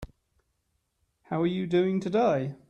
How are you doing today?